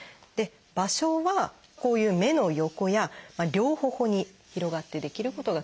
場所はこういう目の横や両頬に広がって出来ることが特徴なんですね。